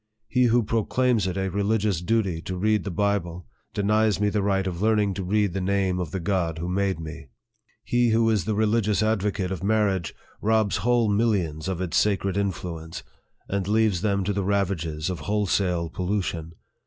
He who proclaims it a religious duty to read the Bible denies me the right of learning to read the name of the God who made me. He who is the religious advocate of marriage robs whole mil lions of its sacred influence, and leaves them to the ravages of wholesale pollution.